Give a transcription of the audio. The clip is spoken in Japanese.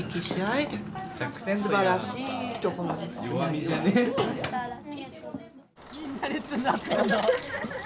みんな列になってんの。